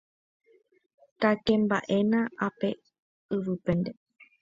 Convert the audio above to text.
Takemba'éna ápe, yvýpente.